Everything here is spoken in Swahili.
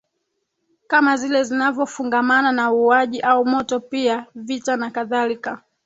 Kama zile zinazofungamana na uuaji au moto pia vita na kadhalika